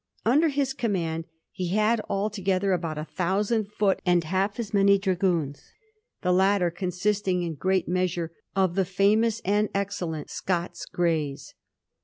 Under his command he had altogether about a thousand foot and half as many dragoons, the latter consisting in great measure of the famous and excellent Scots Greys.